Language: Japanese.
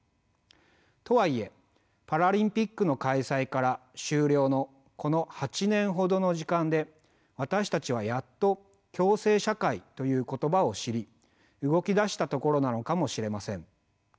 とはいえパラリンピックの開催から終了のこの８年ほどの時間で私たちはやっと共生社会という言葉を知り動き出したところなのかもしれません。